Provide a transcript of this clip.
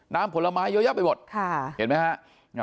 น้ำผลไม้เยอะไปหมดเห็นไหมฮะ